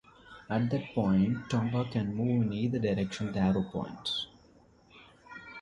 At that point Tomba can move in either direction the arrow points.